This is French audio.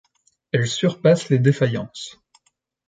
Elle surpasse les défaillances.